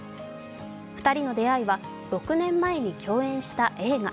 ２人の出会いは６年前に共演した映画。